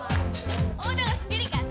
oh kamu jangan sendirikan